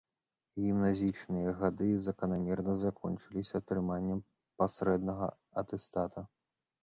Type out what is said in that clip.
Гімназічныя гады заканамерна закончыліся атрыманнем пасрэднага атэстата.